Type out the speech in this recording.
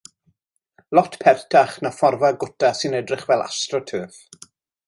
Lot pertach na phorfa gwta sy'n edrych fel AstroTurf.